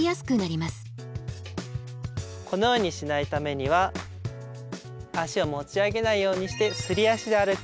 このようにしないためには足を持ち上げないようにしてすり足で歩く。